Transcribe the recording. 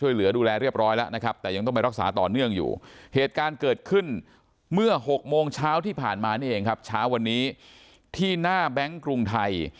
หกโมงเช้าที่ผ่านมานี้เองครับช้าวันนี้ที่หน้าแบงค์กรุงไทย